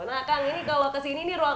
nah kang ini kalau kesini nih ruang